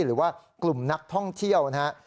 หรือว่ากลุ่มนักท่องเที่ยวนะครับ